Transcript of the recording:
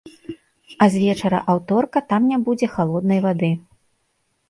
А з вечара аўторак там не будзе халоднай вады.